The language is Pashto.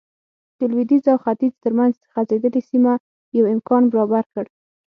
د لوېدیځ او ختیځ ترمنځ غځېدلې سیمه یو امکان برابر کړ.